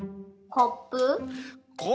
コップ！